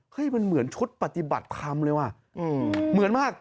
ให้มันเหมือนชุดปฏิบัติธรรมเลยว่ะเหมือนมาก